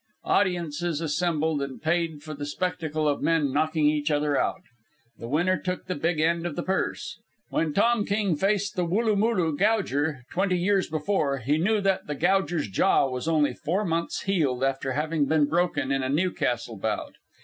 Audiences assembled and paid for the spectacle of men knocking each other out. The winner took the big end of the purse. When Tom King faced the Woolloomoolloo Gouger, twenty years before, he knew that the Gouger's jaw was only four months healed after having been broken in a Newcastle bout.